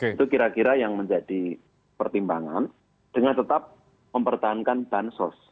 itu kira kira yang menjadi pertimbangan dengan tetap mempertahankan bansos